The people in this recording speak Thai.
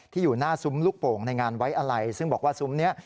อยู่หน้าซุ้มลูกโป่งในงานไว้อะไรซึ่งบอกว่าซุ้มนี้